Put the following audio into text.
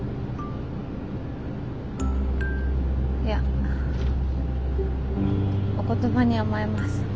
いやお言葉に甘えます。